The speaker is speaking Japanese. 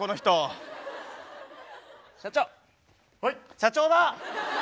社長だ！